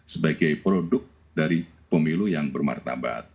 sebagai produk dari pemilu yang bermartabat